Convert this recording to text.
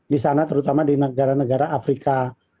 di sana terutama di negara negara afrika